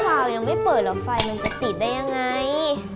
เปล่ายังไม่เปิดหรอกไฟมันจะติดได้ยังไง